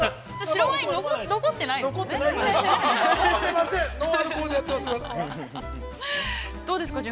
◆白ワイン、残ってないですよね。